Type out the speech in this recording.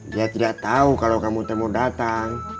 dia tidak tahu kalau kamu temu datang